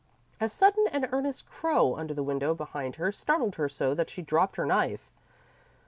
A sudden and earnest crow under the window behind her startled her so that she dropped her knife.